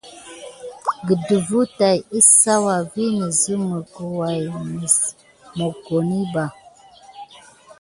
Gədəfwa tät kisawa viŋ ne simick ndolé dide mokone ba.